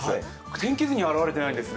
天気図には表れていないんですが、